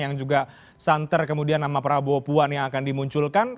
yang juga santer kemudian nama prabowo puan yang akan dimunculkan